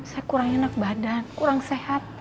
saya kurang enak badan kurang sehat